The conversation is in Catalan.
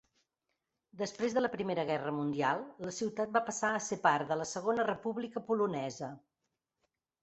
Després de la Primera Guerra mundial, la ciutat va passar a ser part de la Segona República Polonesa.